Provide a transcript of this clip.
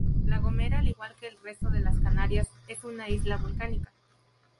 La Gomera, al igual que el resto de las Canarias, es una isla volcánica.